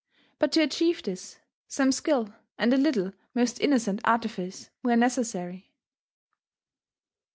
But to achieve this,. some skill and a little most innocent artifice were ne cessary.